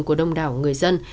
của đông đảo người dân